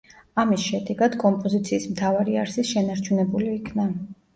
ამის შედეგად კომპოზიციის მთავარი არსი შენარჩუნებული იქნა.